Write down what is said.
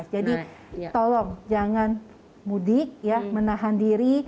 jadi tolong jangan mudik ya menahan diri